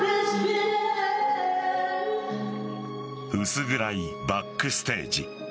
薄暗いバックステージ。